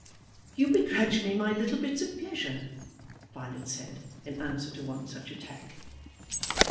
"You begrudge me my little bits of pleasure," Violet said, in answer to one such attack.